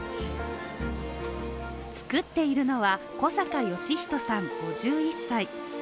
作っているのは小阪芳史さん５１歳。